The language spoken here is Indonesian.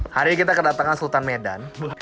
hari ini kita kedatangan sultan medan